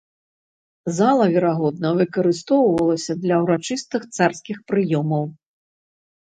Зала верагодна выкарыстоўвалася для ўрачыстых царскіх прыёмаў.